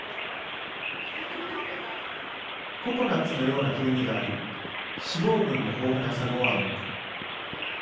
ココナツのような風味があり脂肪分も豊富なサゴワーム。